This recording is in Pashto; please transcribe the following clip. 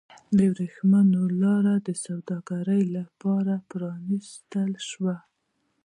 د ورېښمو لاره د سوداګرۍ لپاره پرانیستل شوه.